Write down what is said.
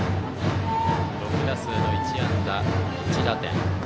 ６打数の１安打１打点。